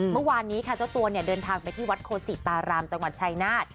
เมื่อวานนี้ค่ะเจ้าตัวเนี่ยเดินทางไปที่วัดโคศิตารามจังหวัดชายนาฏ